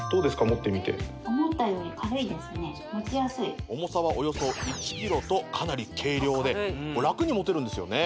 持ってみて重さはおよそ１ｋｇとかなり軽量でラクに持てるんですよね